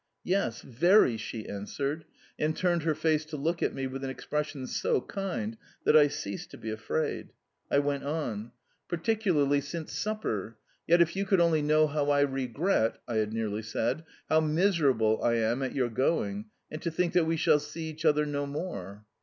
"Yes, VERY!" she answered, and turned her face to look at me with an expression so kind that I ceased to be afraid. I went on: "Particularly since supper. Yet if you could only know how I regret" (I had nearly said) "how miserable I am at your going, and to think that we shall see each other no more!"